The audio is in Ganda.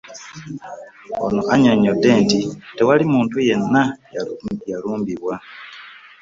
Ono annyonnyodde nti tewali muntu yenna yalumbiddwa.